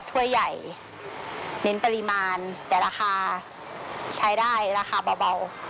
ถ้วยใหญ่เน้นปริมาณแต่ราคาใช้ได้ราคาเบา